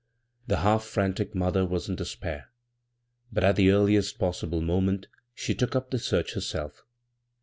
The half frantic moth^ was in despair, but at the eartiest possible moment she took up the search herself.